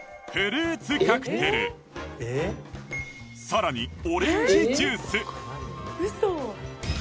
さらにオレンジジュースウソ。